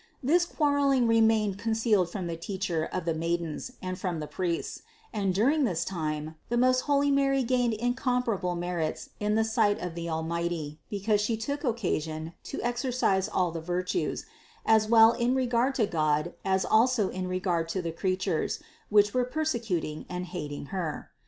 This quarreling remained concealed from the teacher of the maidens and from the priests, and during this time most holy Mary gained incomparable merits in the sight of the Almighty, because She took occasion to exercise all the virtues, as well in regard to God as also in regard to the creatures, which were persecuting and hating Her.